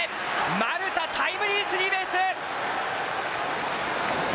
丸田、タイムリースリーベース。